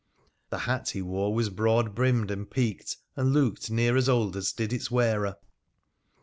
The hat he wore was broad brimmed and peaked, and looked near as old as did its wearer.